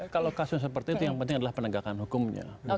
kalau kasus seperti itu yang penting adalah penegakan hukumnya